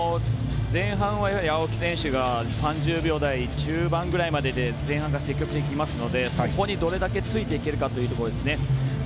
前半は、青木選手が３０秒台中盤ぐらいまでで前半が積極的ですのでそれにどれだけついていけるかということですね。